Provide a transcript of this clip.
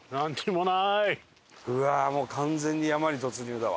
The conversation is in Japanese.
うわーもう完全に山に突入だわ。